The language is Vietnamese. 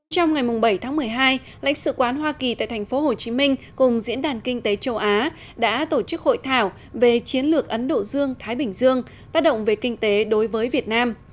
trong ngày bảy tháng một mươi hai lãnh sự quán hoa kỳ tại tp hcm cùng diễn đàn kinh tế châu á đã tổ chức hội thảo về chiến lược ấn độ dương thái bình dương tác động về kinh tế đối với việt nam